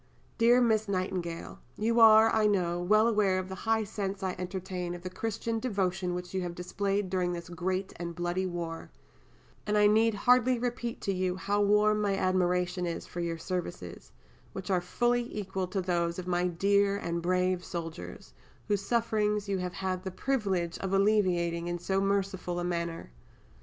DEAR MISS NIGHTINGALE You are, I know, well aware of the high sense I entertain of the Christian devotion which you have displayed during this great and bloody war, and I need hardly repeat to you how warm my admiration is for your services, which are fully equal to those of my dear and brave soldiers, whose sufferings you have had the privilege of alleviating in so merciful a manner.